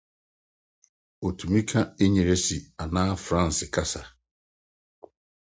Otumi ka Engiresi anaa Franse kasa.